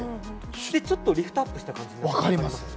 ちょっとリフトアップした感じありますよね。